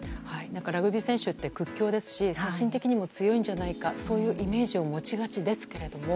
ラグビー選手って屈強ですし精神的にも強いんじゃないかというイメージを持ちがちですけれども。